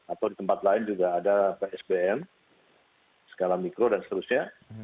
atau di tempat lain juga ada psbm skala mikro dan seterusnya